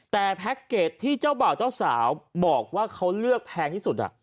แต่แพ็คเกจที่เจ้าบ่าวเจ้าสาวบอกว่าเขาเลือกแพงที่สุด